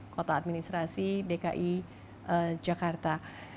kota administrasi dki jakarta